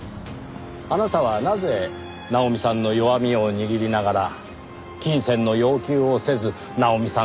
あなたはなぜ奈穂美さんの弱みを握りながら金銭の要求をせず奈穂美さんとの結婚を望み